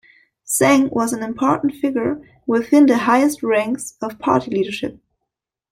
Zeng was an important figure within the highest ranks of party leadership.